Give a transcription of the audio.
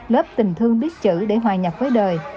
lớp tình thương biết chữ để hòa nhập với đời